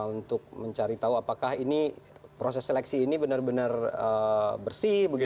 untuk mencari tahu apakah ini proses seleksi ini benar benar bersih